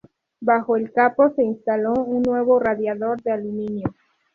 Bajo el capó se instaló un nuevo radiador de aluminio.